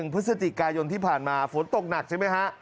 พฤศจิกายนที่ผ่านมาฝนตกหนักใช่ไหมฮะ